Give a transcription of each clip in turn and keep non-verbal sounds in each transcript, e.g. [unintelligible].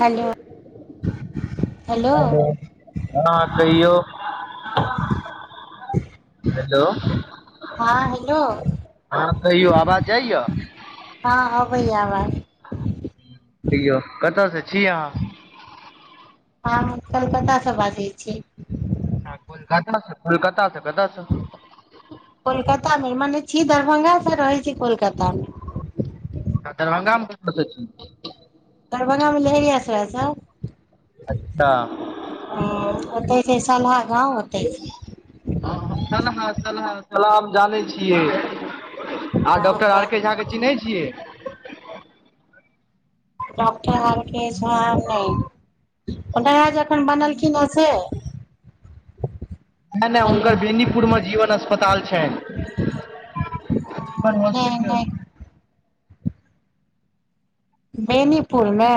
Hello. Hello हँ कहियौ? Hello. हँ हेलो ह कैहियो। आवाज जाय य? हँ अबैये आवाज। हैयौ कतऽसँ छी अहाँ? [unintelligible] हम कलकत्ता सँ बाजै छी। कोलकाता स। कोलकाता स कत स? कोलकाता मे मने छी दरभंगा स रहै छी कोलकाता मे। त दरभंगामे कत स छी? दरभंगामे लेहेरीया सराय स। अच्छा। ह ओतै छै सलहा गाँव, ओते छै। ह सनहा - सनहा सलाम जानै छियै आर हँ डॉक्टर आर के तऽ झा के चिन्है छियै? डाक्टर आरके झा नहि, ओकरा जे अखैन बनलखिन हे से। नहि नहि हुनकर हेलो बेनीपुर मे जीवन अस्पताल छनि। नहि हॉस्पिटल। नहि बेनीपुर मे?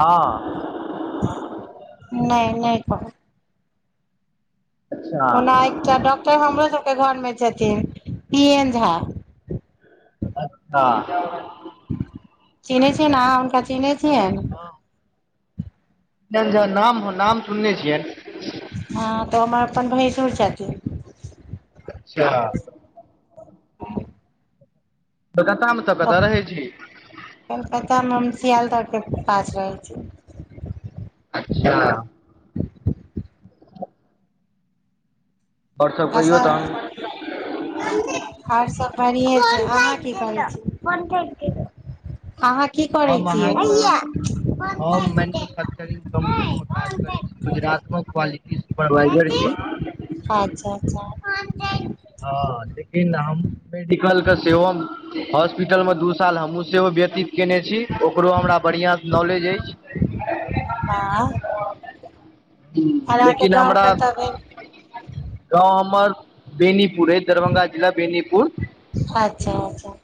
हँ नै नै कहु। अच्छा ओना एकटा डॉक्टर हमरो सबके घर में छथिन पी एन झा। अच्छा। चिन्है छियैन अहां हुनका चिन्है छियैन? नाम हो नाम सुनने छियैन। हँ तऽ हमर अपन भैंसूर छथिन। अच्छा। ह [inaudible] कलकता मे कतऽ रहै छी। कलकत्तामे हम सियालदहके पास रहै छी। अच्छा। आओर सब कहियौ अच्छा। तहन आर सब बढ़िए छै अहाँ की करै छी। अहाँ की ह [inaudible] करै हम छियै अहाँके, हम मैन्युफैक्चरिंग कम्पनी मे काज करैत छी गुजरातमे क्वालिटी सुपरवाइजर छी। अच्छा अच्छा। हँ लेकिन हम मेडिकल के सेहो हॉस्पिटलमे दू साल हमहूँ सेहो व्यतीत कयने छी ओकरो हमरा बढ़िआँ नॉलेज अछि। वाह आओर [inaudible] अहाँके लेकिन गाँव हमरा कतऽ भेल गाँव हमर बेनीपुर अछि, दरभंगा जिला बेनीपुर अच्छा अच्छा।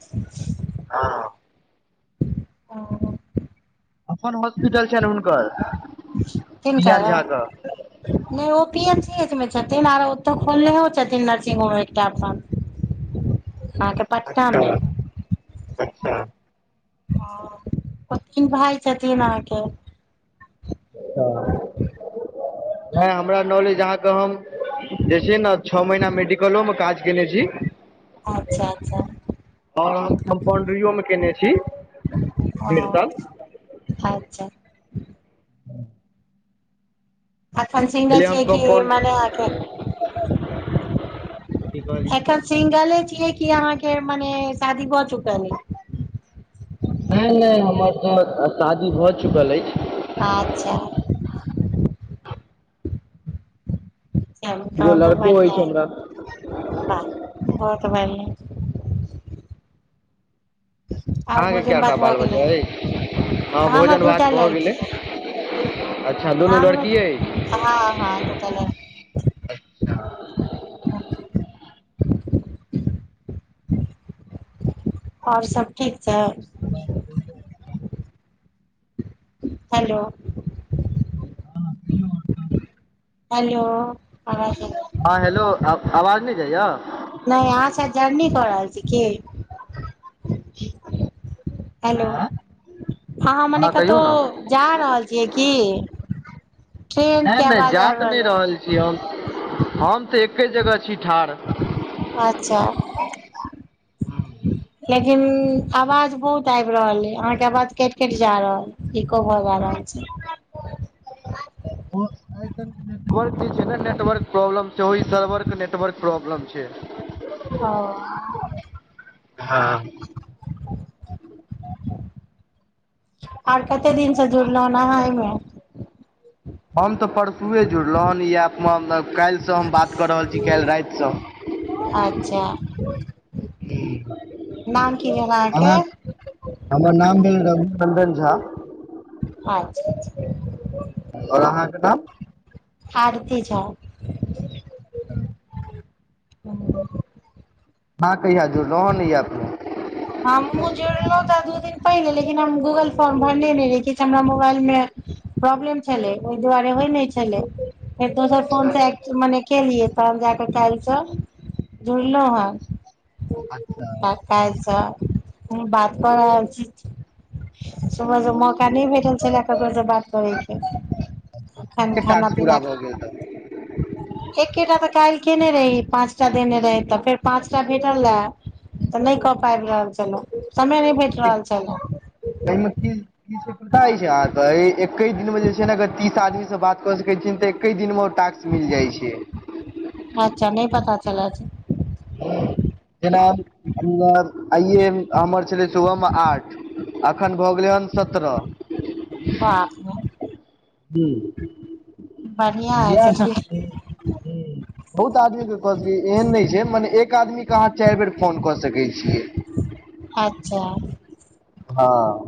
हँ। अपन हॉस्पिटल छनि हुनकर। पियान किनकर। झा के नहि ओ पी एच सी एच मे छथिन आरो ओतऽ खोलनेहो छथिन नर्सिंग होम एकटा अपन। हच [inaudible] अहां के अच्छा अच्छा। हं, ओ चुनाव छथिन अहाँके। हं हमरा नॉलेज अहाँके हम जे छै ने छओ महीना मेडिकलोमे काज केयने छी। अच्छा अच्छा आ हम कम्पाउण्ड्रियो मे केने छी, भेल ओ त अच्छा। हँ। अखैन सिंगल छियै कि कम्पाउंड मने की कहलियै अखन सिंगले छियै कि अहाँके मने शादी भए चुकल अइ। नै ने हमर तऽ शादी भऽ चुकल अछि। अच्छा। तब दूगो तहन त लड़को अछि बढ़ियाँ हमरा अय बाह बहोत बढ़ियाँ। आर अहाँ के भोजन काएटा भात भऽ बाल-बच्चा गेलै अय, हां हमर भोजन-भात दूटा भऽ गेलै। लड़की अइ अच्छा दुनू लड़किये अय। हां-हां दुटा लड़ हुंह। और सब ठीक छै। [unintelligible] हलो। हां कहियौ। हलो अवाजे हां हेलो अ अवाज नै जायया। नै अहाँ शायद जर्नी क रहल छी कि। हेलो हँ हां मने कहियौ कतो ने जा रहल छियै की। ट्रेन के नै-नै आवाज जा आबि त नै रहल अइ छी हम, हम तऽ एके जगह छी ठाड़। अच्छा। लेकिन अवाज बहुत आएब रहल अय, अहाँ के अवाज कैट-कैट जा रहल। ई कहब अराम से। हां एयरटेल के नेटवर्क जे छै ने नेटवर्क प्रॉब्लम छै, ओय सर्वर के नेटवर्क प्रॉब्लम छै। ओ। हां। आर कते दिन से जुड़लौन अहाँ अय मे। हम तऽ परसुये जुड़लौ हन इ ऐप मे, हम ते काएल से हम बात कऽ रहल छी, काएल राएत सँ। अच्छा, नाम की भेल अहाँ के। हमर नाम भेल रघुनन्दन झा। आच्छा-आच्छा। और अहाँ के नाम। आरती झा। आ। ओ। अहाँ कहिया जुड़लौ हन इ ऐप मे। हमु जुड़लौ त दू दिन पहिले लेकिन हम गूगल फोर्म भरनेे नै रही, किछ हमरा मुबाएल मे प्रॉब्लेम छलै ओय दुआरे होय नै छलै फेर दोसर फोन अच्छा से आय मने केलियै तहन जा कऽ काएल से जुड़लौ हन। अच्छा। काएल से हमु बात क रहल छी। सुबह से मौका नै भेटल छलै ककरो से बात करै के। अच्छा कते टाक्स पूरा भ गेल तब। एकेटा तऽ काएल केने रही पाँचटा देने रहै तऽ फेर पाँचटा भेटल आय। तऽ नै कऽ पाएब रहल छलौ, समय नै भेट रहल छला। ए मे की की छै पता एछ अहाँ के ए एके दिन मे जे छै ने अगर तीस आदमी से बात क सकै छिये तऽ एके दिन मे उ टाक्स मिल जाय छै। अच्छा नै पता चलै छै। हां जेना हम्मर आइए हम्मर छलै सुबहमे आठ। अखन भऽ गेलै हन सतरा बाप रे हुं। बढ़िया यैह छै अछि से हुं बहुत आदमी के कहतै एहन नै छै। जे मने एक आदमी के अहाँ चाएर बेर फोन कऽ सकय छियै। अच्छा। हां ‌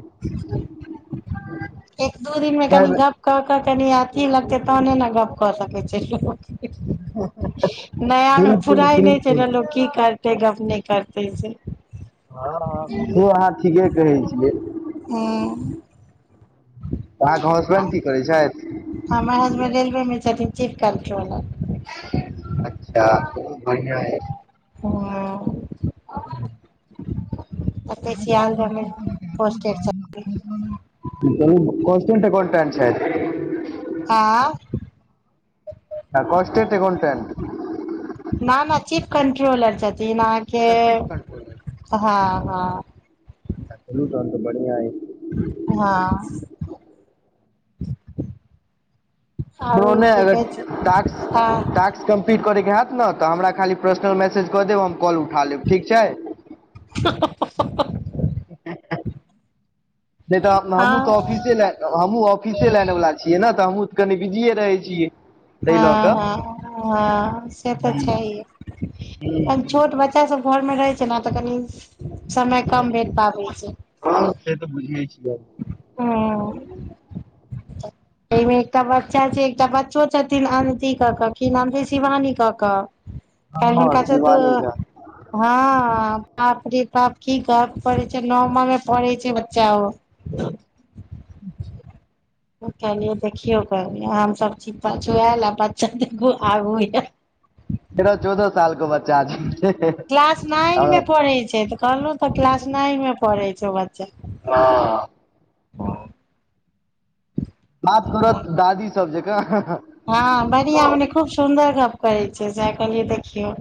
एक दू दिन मे चारि कनि बेर गप क क कनी अथी लगतै तहने नै गप कऽ सकय छै। नया मे बिलकुल फुराय नै छै बिलकुल नै लोक की कर तै गप नै करते से हां-हां से अहाँ ठीके कहय छियै। हूँ अहाँके हसबैंड की करय छैथ। हमर हसबैंड रेलवे मे छथिन चीफ कंट्रोलर अच्छा खूब बढ़िया यै से फुआ देखय छीयै आनठाम में पोस्टर छप बोलू नै [unintelligible] छै। ऐं कॉस्टेंट एकाउंटेंट नै-नै चीफ कंट्रोलर छथिन अहाँके अच्छा चीफ कंट्रोलर हां-हां। अच्छा चलू तहन तऽ बढ़िया ऐ। हां। [unintelligible] नै अगर छै हँ टाक्स-टाक्स कम्पलीट करय के हैत नै तऽ हमरा खाली पर्सनल मैसेज कऽ देब हम कॉल उठा लैब ठीक छै। नै त हम्हु तै हँ ऑफिसै लै हम्हूँ ऑफिसे लाइन बला छियै नै तऽ हम्हूँ तऽ कनि बिजीए रहय छियै। ताहि लऽ हां कऽ हां हां से तऽ छहिए ओय मे छोट बच्च बच्चा सब घर मे रहय छै नै तऽ कनी समय कम भेट पाबै छै। हां से तऽ बुझिय छियै। हां। ओय मे एकटा बच्चा छै, एकटा बच्चो छथिन अनति क केऽ की नाम छीयै, शिवानी क केऽ। काएल हँ हुनका से दू शिवानी झा हां-हां बाप रे बाप की कहब पढ़य छै, नम्मा मे पढ़य छै बच्चा ओ। ह कहलियै देखियो खाली हम सब छी पछुऐल आ बच्चा देखू आगू यै। तेरा चौदा साल के बच क्लास नाइन मे पढ़य छै तऽ कहलौं तऽ क्लास नाइन मे पढ़य छै ओ बच्चा। हां। हां। बात करत दादी सब जेका हां बढ़िया मने खूब सुन्दर गप करय छै सैह कहलियै देखियौ।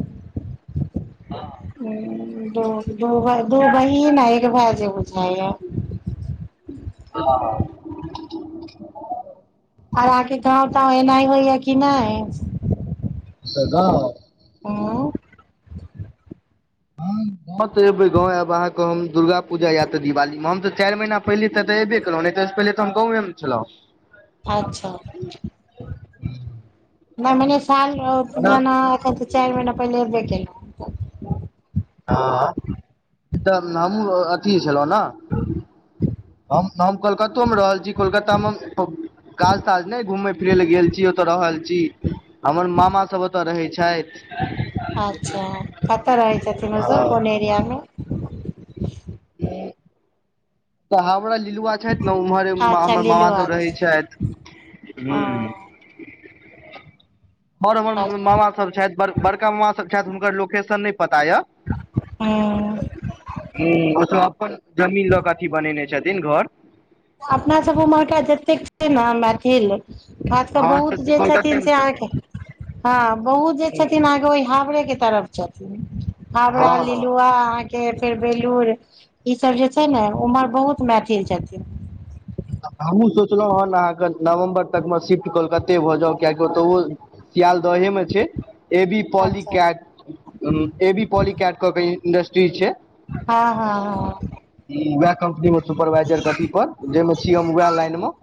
हुं दू-दू भाय दू बहिन एक भाय छै बुझाए यै। हँ। और अहाँके गाँव - ताँव एनाइ होइये कि नै? से गाँव, उँ। हँ गाॅंव तऽ एबै गाँव आएब अहाँक हम दुर्गा पूजा या त दिबाली म हम तऽ चारि महीना पहिले तऽ एत्तऽ एब्बे केलौं नै तऽ अइसे पहिले त हम गाँवे मे छलहुॅं। अच्छा नै मने साल मे रहब कि ओना जेना अखैन छुट्टी चारि महिना पहिले एब्बे केलौं। हँ तऽ हमहुँ अथी छलहुँ ने हम हम कलकत्तो मे रहल छी कोलकाता मे हम काज - ताज नै घुमय फिरय ले गेल छी ओतऽ रहल छी। हमर मामा सब ओतऽ रहै छाइथ। अच्छा कतऽ रहै छथिन ओ सब कोन तऽ एरिया मे? ह तऽ हमरा लीलुवा छथि ने उमहरे उम - अच्छा हमर मामा लीलुआ सब रहै दिस छथि। ओ हूँ। और हमर हूँ म-मामा सब छथि बड़-बड़का ममा सब छथि हुनकर लोकेशन नै पता यऽ। हूॅं ओ सब अपन जमीन लऽ कऽ अथी बनेने छथिन घर। त अपना सब ओमहरका जतेक छियै नऽ मैथिल बात तऽ हँ बहुत से जे कोलकाते छथिन मे से अहाँके हँ बहुत जे छथिन अहाँक ओइ हाबड़े के तरफ छथिन। हँ हावड़ा, हँ लिलुवा। के फेर बेलुर ई सब जे छै ने ओमहर बहुत मैथिल छथिन। आ हमहूँ सोचलौं हन अहाँ क नवम्बर तक म शिफ्ट कोलकत्ते भऽ जाउ कियाकि ओतहुवो सियाल दहे मे छै ए बी अच्छा पोलिकैट उम - ए बी पाॅलिकैट कऽ के इ इंडस्ट्री छै, हँ हँ जी वेएह कम्पनी म सुपरवाइजर क अथी पर जै मे छी हम वेएह लाइन म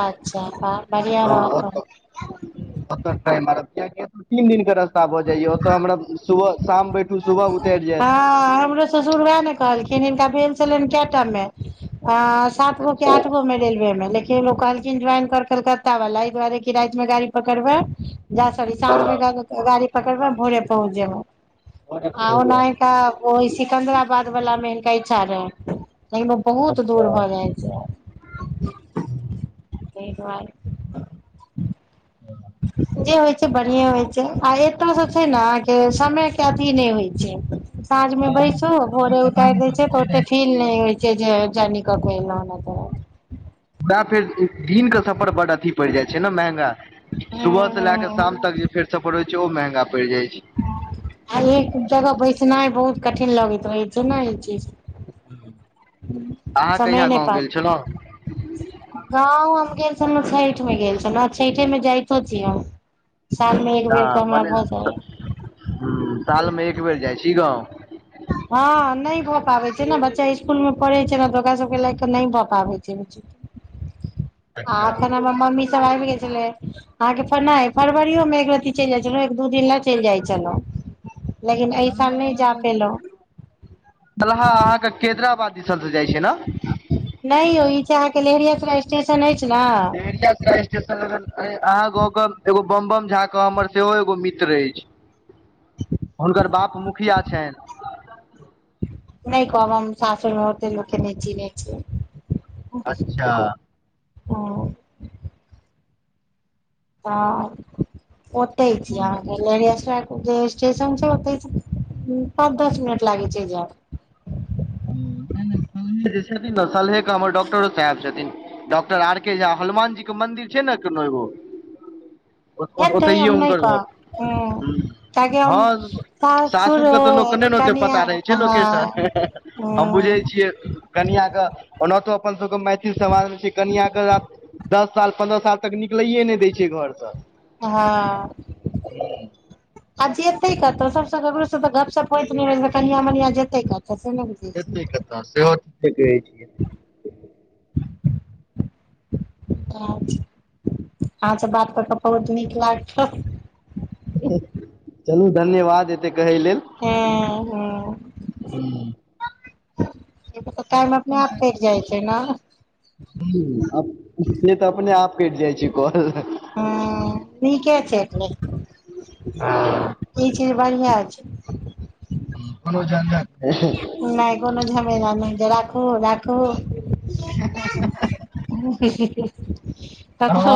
अच्छा आब बढ़ियां रहत तऽ। अपना टाइम मारत कियाकि तीन दिन के रस्ता भऽ जाइये ओतऽ हमरा सुबह शाम बैठु सुबह उतरि जेएत। हँ हमरो ससुर वेएह ने कहलखिन हिनका भेल छलनि केए टा मे आ सात गो की आठ गो मे रेलवे मे लेकिन किन ओ कहलखिन ज्वाइन कर कलकत्ता बला अइ दुवारे कि राति मे गाड़ी पकड़मे जा सोरी साँझ मे ग- गा गाड़ी पकड़मे भोरे पहुंच जेमऽ। आ ओना हिनका ओइ सिकन्दराबाद बला मे हिनका इच्छा रहैन तइमे बहुत दूर भऽ जाइ छै। ह तै दुवारे। ह जे होइ छै बढ़ियें होइ छै आ एतऽ सँ छै नऽ कि समय के अथी नै होइ छै। साँझ मे बैसु भोरे उतारि दै छै त ओत्तेक फील नै होइ छै जे जरनी कऽ के एना-एना पड़त। तें फेर दिन क सफर बड़ अथी पड़ि जाइ छै ने मेहंगा सुबह से लेए क शाम हूँ तक जे फेर सफर होइ छै, ओ महंगा पड़ि जाय छै। आ एक जगह बैसनाइ बहुत कठिन लगैत रहय छै, ने ई छ अहाँ कहिया गाँव गेल छलहुँ। गाँंव हम गेल छलहुँ छठि में गेल छलहुँ, छइठे में जाइतो छी हम। साल में एक बेर के हमरा भऽ जाइय। हुँ साल में एक बेर जाइ छी गाँव। हँ नहि भऽ पाबै छै ने, बच्चा इसकुल मे पढ़ै छै ने तऽ ओकरा सबके लए क नहि भऽ पाबै छै। आ अच्छा अपना में मम्मी सब आइब गेल छलै। अहाँके फेनहि फरवरिओमें एक रत्ती चलि जाइत छलहुँ एक दू दिन लए चलि जाइत छलहुँ। लेकिन एहि साल नहि जा पेलों। बल्हा अहाँके केैदराबाद दिसनलसँ जाइ छियै ने? नहि यौ ई छै अहाँके लेहेरिया त स्टेशन अछि ना लेहेरिया सराय स्टेशन लग अहाँ गाँंव के, एगो बमबम झा कऽ हमर सेहो एगो मित्र अइछ। हुनकर बाप मुखिया छैन। नहि कहब हम सासुरमे हम ओतै लोक के नहि चिन्हे छियै। अच्छा! हँ हं ओतै छी अहाँके। लेहेरिया सराय के जे स्टेशन छै, औतै से पाँच, दस मिनट लागे छै जायमें। हू नै-नै सलही जे छथिन ने, सलहे के हमर डॉक्टरो साहेब छथिन। डॉक्टर आर के झा। हनुमान जी के मंन्दिर छै ने कोनो एगो हेतै हम ओतहिए नहि हुनकर घर कहब हूँ ताकि हम हँ सासुर सासुरके तऽ लोकके नहि ने ओते कनिया पता रहै छै हँ लोकसन। हम बुझै हूँ छियै कनिया के ओनाहितो अपन सबके मैथिल समाजल में छै, कनियां के दस साल पन्द्रह साल तक निकलैे नहि दै छै घरसँ। हँऽ। आ जेते कतऽ सबसे ककरो सब तऽ गप- सप हो नै रहै छै, तऽ कनिया- मनिया जेते कतऽ। बुझै जेतै छियै कतऽ सेहो ठीके कहै छियै। अच्छा, आहां से बात कर कऽ बहुत नीक लागल। चलू धन्यवाद एतै कहै लेल। हँ हँ ई तऽ कियाकि टाइम अपने अपन आप कटि जाइ छै ने। ह से तऽ अपने आप कटि जाइ छै कॉल। हूं नीके छै, ई चीज बढ़िआँ छै। कोनो झंझट नहि। नै कोनो झमेला नै जे राखू - राखू। [unintelligible] हँ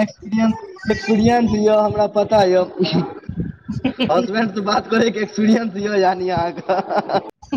एक्सपीरियंस- एक्सपीरियंस यऽ हमरा पता यऽ। हसबैंड से बात करयके एक्सपीरएंस यऽ यानि अहाँके